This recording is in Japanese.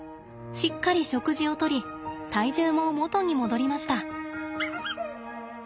しっかり食事をとり体重も元に戻りました。